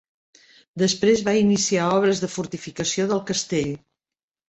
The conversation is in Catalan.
Després va iniciar obres de fortificació del castell.